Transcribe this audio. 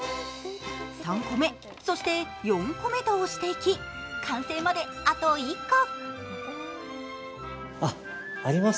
３個目、そして４個目と押していき完成まで、あと１個。